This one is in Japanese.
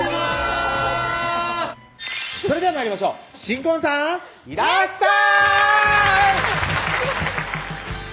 それでは参りましょう新婚さんいらっしゃい！